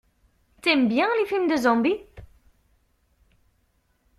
T'aimes bien les films de zombies?